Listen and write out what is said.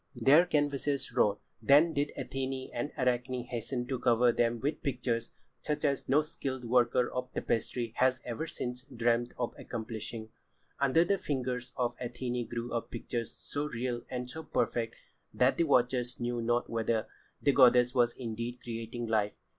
Their canvases wrought, then did Athené and Arachne hasten to cover them with pictures such as no skilled worker of tapestry has ever since dreamed of accomplishing. Under the fingers of Athené grew up pictures so real and so perfect that the watchers knew not whether the goddess was indeed creating life.